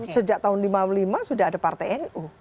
sejak tahun seribu sembilan ratus lima puluh lima sudah ada partai nu